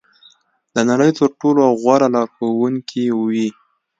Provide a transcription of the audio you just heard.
د نړۍ تر ټولو غوره لارښوونکې وي.